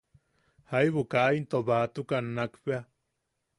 Jaibu ka into baʼatukan nakbea.